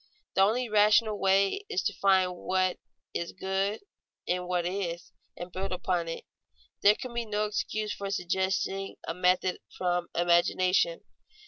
The only rational way is to find what is good in what is, and build upon it. There can be no excuse for suggesting a method from imagination.